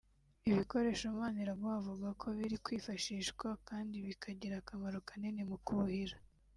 Ibikoresho Maniraguha avuga ko biri kwifashishwa kandi bikagira akamaro kanini mu kuhira